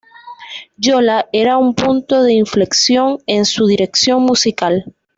Yola era un punto de inflexión en su dirección musical.